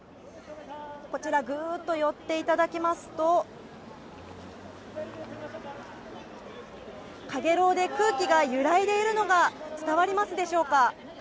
こちらぐっと寄っていただきますとかげろうで空気が揺らいでいるのが伝わりますでしょうか。